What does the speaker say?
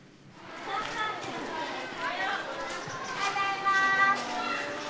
おはようございまーす。